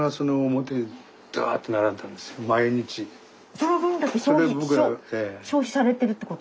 その分だけ消費されてるってことなんですか？